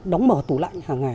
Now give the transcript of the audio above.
có thể là